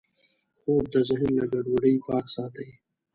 خوب د ذهن له ګډوډۍ پاک ساتي